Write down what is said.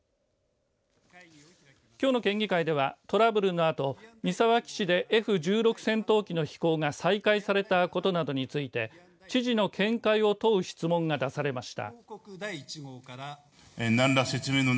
きょうの県議会ではトラブルのあと三沢基地でＦ１６戦闘機の飛行が再開されたことなどについて知事の見解を問う質問が出されました。